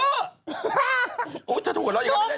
อุ๊ยถ้าถูกหัวร้อนอยากมาแน่